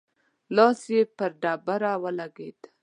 لاس يې پر ډبره ولګېد.